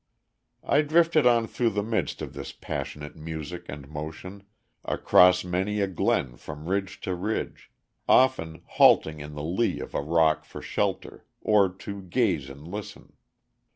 "I drifted on through the midst of this passionate music and motion, across many a glen from ridge to ridge; often halting in the lee of a rock for shelter, or to gaze and listen.